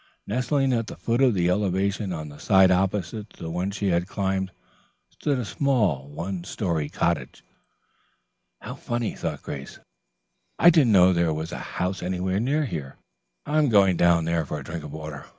Nestling at the foot of the elevation on the side opposite to the one she had climbed stood a small one story cottage. "How funny," thought Grace. "I didn't know there was a house anywhere near here. I'm going down there for a drink of water.